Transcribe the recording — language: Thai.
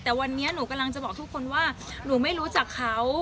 แต่วันนี้หนูกำลังจะบอกทุกคนว่าหนูไม่รู้จักเขา